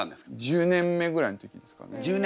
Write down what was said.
１０年目ぐらいの時ですかね。